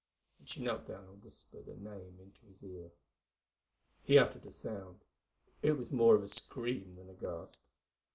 And she knelt down and whispered a name into his ear. He uttered a sound—it was more of a scream than a gasp.